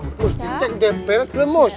mus di cek deh beres belum mus